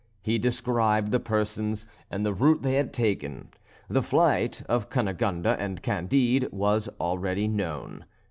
He described the persons, and the route they had taken. The flight of Cunegonde and Candide was already known.